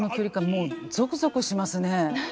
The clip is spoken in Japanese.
もうゾクゾクしますね。